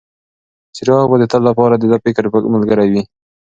څراغ به د تل لپاره د ده د فکر ملګری وي.